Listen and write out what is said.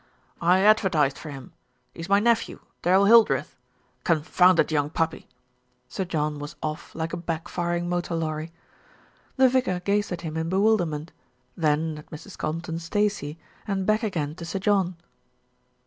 "I advertised for him. He's my nephew, Darrell Hil dreth. Confounded young puppy !" Sir John was off like a back firing motor lorry. The vicar gazed at him in bewilderment, then at Mrs. Compton Stacey, and back again to Sir John.